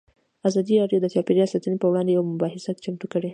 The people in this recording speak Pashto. ازادي راډیو د چاپیریال ساتنه پر وړاندې یوه مباحثه چمتو کړې.